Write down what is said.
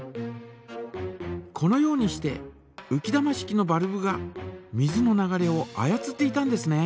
このようにしてうき玉式のバルブが水の流れを操っていたんですね。